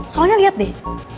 soalnya liat deh